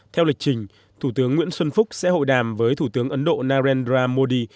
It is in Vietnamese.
theo lịch trình thủ tướng nguyễn xuân phúc sẽ hội đàm với thủ tướng ấn độ narendra modi